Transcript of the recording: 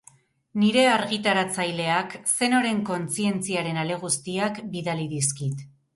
Nire argitaratzaileak Zenoren kontzientziaren ale guztiak bidali dizkit.